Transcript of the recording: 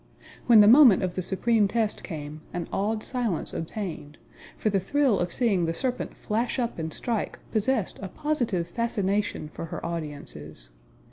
When the moment of the supreme test came, an awed silence obtained; for the thrill of seeing the serpent flash up and strike possessed a positive fascination for her audiences.